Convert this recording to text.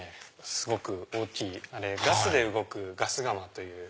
すごく大きいあれガスで動くガス窯という。